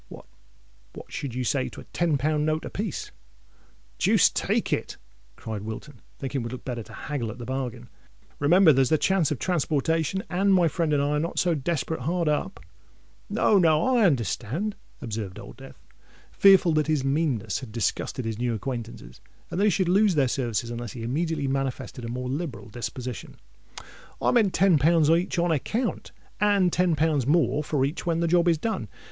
"What—what should you say to a ten pound note a piece?" "Deuce take it!" cried Wilton, thinking it would look better to haggle at the bargain: "remember, there's the chance of transportation—and my friend and I are not so desperate hard up——" "No—no—I understand," observed Old Death, fearful that his meanness had disgusted his new acquaintances and that he should lose their services unless he immediately manifested a more liberal disposition: "I meant ten pounds each on account, and ten pounds more for each when the job is done.